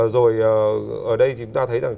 rồi ở đây chúng ta thấy rằng